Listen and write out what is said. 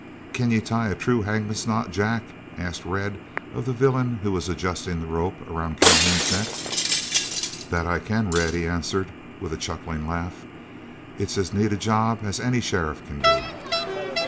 "Can ye tie a true hangman's knot, Jack?" asked Red of the villain who was adjusting the rope around Calhoun's neck. "That I can, Red," he answered, with a chuckling laugh. "It's as neat a job as eny sheriff can do."